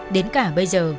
đến cả bây giờ